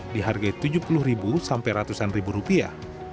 dihargai tujuh puluh ribu sampai ratusan ribu rupiah